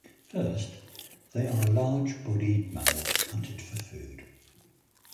First, they are a large-bodied mammal hunted for food.